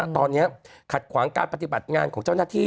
ตอนนี้ขัดขวางการปฏิบัติงานของเจ้าหน้าที่